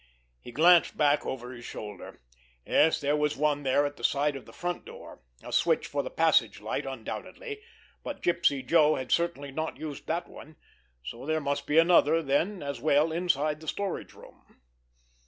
He glanced back over his shoulder. Yes, there was one there at the side of the front door, a switch for the passage light undoubtedly; but Gypsy Joe had certainly not used that one, so there must be another then, as well, inside the storage room.